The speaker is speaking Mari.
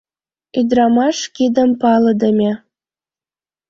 Ӱдырамаш кидым палыдыме.